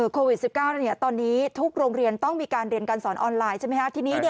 โควิด๑๙ตอนนี้ทุกโรงเรียนต้องมีการเรียนการสอนออนไลน์ใช่ไหมครับทีนี้